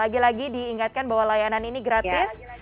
lagi lagi diingatkan bahwa layanan ini gratis